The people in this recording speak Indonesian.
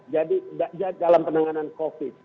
jadi dalam penanganan covid